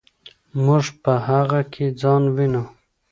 موږ په هغه کې ځان وینو.